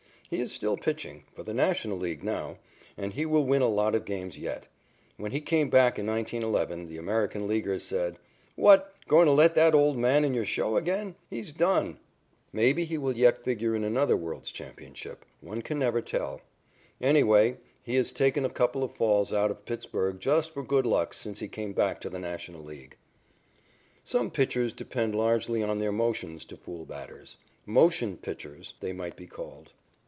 He is still pitching for the National League now and he will win a lot of games yet. When he came back in 1911, the American Leaguers said: "What, going to let that old man in your show again? He's done." Maybe he will yet figure in another world's championship. One never can tell. Anyway, he has taken a couple of falls out of Pittsburg just for good luck since he came back to the National League. Some pitchers depend largely on their motions to fool batters. "Motion pitchers" they might be called.